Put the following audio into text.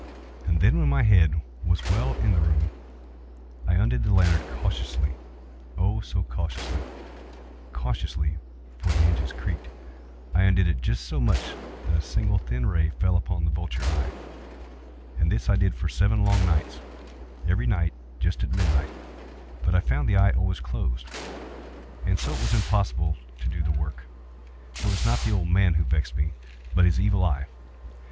And then, when my head was well in the room, I undid the lantern cautiously—oh, so cautiously—cautiously (for the hinges creaked)—I undid it just so much that a single thin ray fell upon the vulture eye. And this I did for seven long nights—every night just at midnight—but I found the eye always closed; and so it was impossible to do the work; for it was not the old man who vexed me, but his Evil Eye.